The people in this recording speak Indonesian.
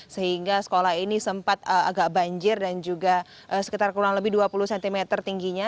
sehingga sekolah ini sempat agak banjir dan juga sekitar kurang lebih dua puluh cm tingginya